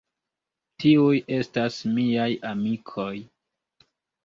Tiuj estas miaj amikoj.